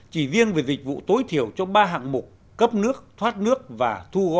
chỉ riêng về dịch vụ tối thiểu cho ba hạng mục cấp nước thoát nước và thuốc nước